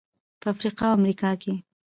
په افریقا او امریکا کې.